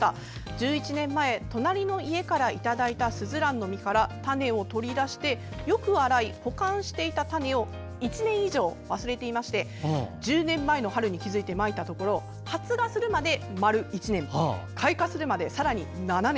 １１年前、隣の家からいただいたすずらんの実から種を取り出してよく洗い、保管していた種を１年以上、忘れていまして１０年前の春に気付いてまいたところ発芽するまで丸１年開花するまでさらに７年。